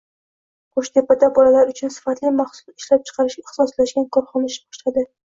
Qo‘shtepada bolalar uchun sifatli mahsulot ishlab chiqarishga ixtsoslashgan korxona ish boshladi